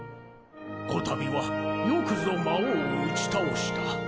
こたびはよくぞ魔王を打ち倒した。